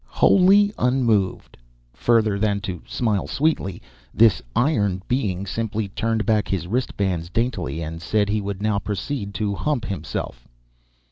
Wholly unmoved further than to smile sweetly this iron being simply turned back his wrist bands daintily, and said he would now proceed to hump himself.